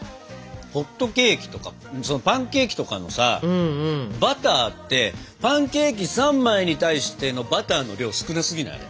ホットケーキとかパンケーキとかのさバターってパンケーキ３枚に対してのバターの量少なすぎない？